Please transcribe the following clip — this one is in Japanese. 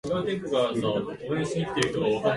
朝だと思ったら夜だった